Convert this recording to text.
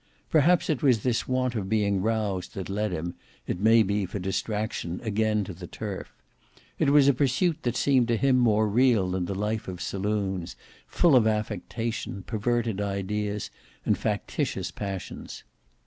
Perhaps it was this want of being roused, that led him, it may be for distraction, again to the turf. It was a pursuit that seemed to him more real than the life of saloons, full of affectation, perverted ideas, and factitious passions.